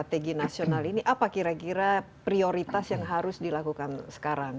strategi nasional ini apa kira kira prioritas yang harus dilakukan sekarang